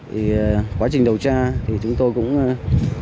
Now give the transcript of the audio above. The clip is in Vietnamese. trong quá trình điều tra chúng tôi cũng gợi ý